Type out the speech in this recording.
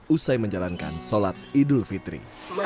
usai menjalankan sholat idul fitri